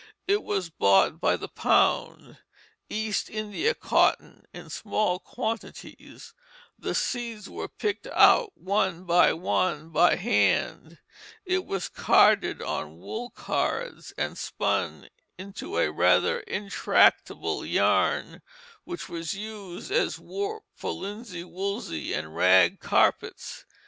It was bought by the pound, East India cotton, in small quantities; the seeds were picked out one by one, by hand; it was carded on wool cards, and spun into a rather intractable yarn which was used as warp for linsey woolsey and rag carpets.